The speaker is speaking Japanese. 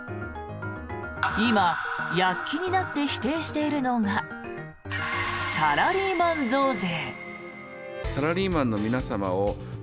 今、躍起になって否定しているのがサラリーマン増税。